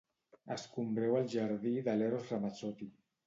Escombreu el jardí de l'Eros Ramazzotti.